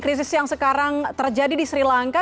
krisis yang sekarang terjadi di sri lanka